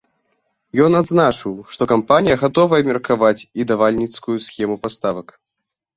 Ён адзначыў, што кампанія гатовая абмеркаваць і давальніцкую схему паставак.